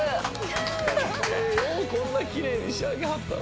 ようこんなきれいに仕上げはったな。